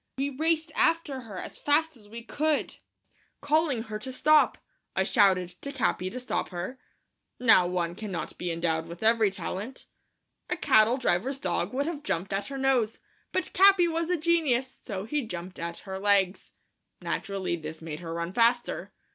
We raced after her as fast as we could, calling to her to stop. I shouted to Capi to stop her. Now one cannot be endowed with every talent. A cattle driver's dog would have jumped at her nose, but Capi was a genius, so he jumped at her legs. Naturally, this made her run faster.